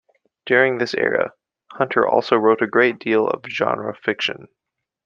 During this era, Hunter also wrote a great deal of genre fiction.